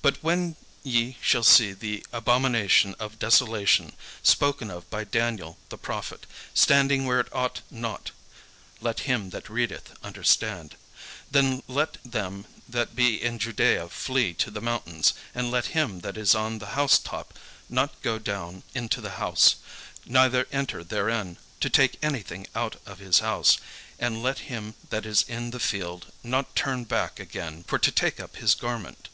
"But when ye shall see the abomination of desolation, spoken of by Daniel the prophet, standing where it ought not, (let him that readeth understand,) then let them that be in Judaea flee to the mountains: and let him that is on the housetop not go down into the house, neither enter therein, to take any thing out of his house: and let him that is in the field not turn back again for to take up his garment.